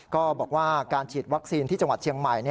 ก็บอกว่าการฉีดวัคซีนที่จังหวัดเชียงใหม่